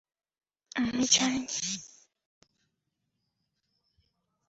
আমি জানি তুমি রাজ, আমাকে তা বলার দরকার নেই।